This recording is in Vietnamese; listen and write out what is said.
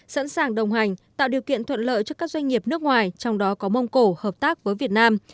sẵn sàng đồng hành tạo điều kiện thuận lợi cho các doanh nghiệp nước ngoài trong đó có mông cổ hợp tác với việt nam